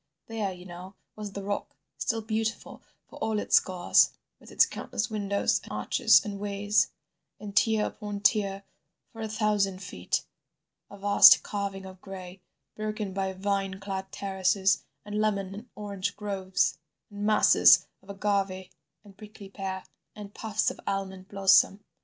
There, you know, was the rock, still beautiful for all its scars, with its countless windows and arches and ways, tier upon tier, for a thousand feet, a vast carving of gray, broken by vine clad terraces, and lemon and orange groves, and masses of agave and prickly pear, and puffs of almond blossom.